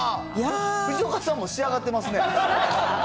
藤岡さんも仕上がってますね。